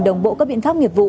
đồng bộ các biện pháp nghiệp vụ